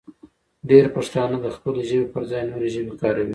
ډېری پښتانه د خپلې ژبې پر ځای نورې ژبې کاروي.